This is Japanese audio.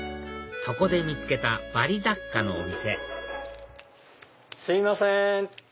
そこで見つけたバリ雑貨のお店すいません